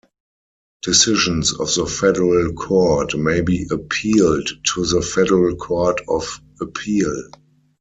Decisions of the Federal Court may be appealed to the Federal Court of Appeal.